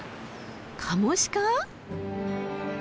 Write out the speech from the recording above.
カモシカ！？